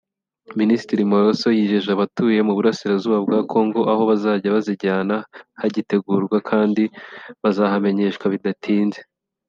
Minisitiri Moliso yijeje abatuye mu burasirazuba bwa Congo aho bazajya bazijyana hagitegurwa kandi bazahamenyeshwa bidatinze